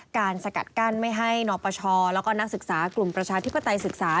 สกัดกั้นไม่ให้นปชแล้วก็นักศึกษากลุ่มประชาธิปไตยศึกษา